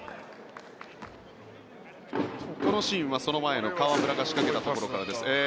このシーンはその前の河村が仕掛けたシーンです。